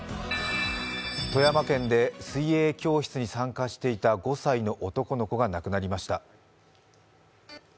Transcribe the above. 富山県で水泳教室に参加していた５歳の男の子が亡くなりました。